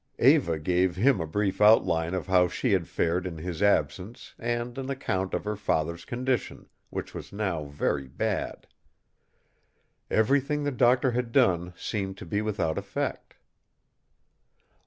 Eva gave him a brief outline of how she had fared in his absence and an account of her father's condition, which was now very bad. Everything the doctor had done seemed to be without effect.